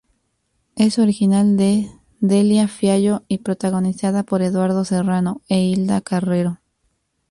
Es original de Delia Fiallo y protagonizada por Eduardo Serrano e Hilda Carrero.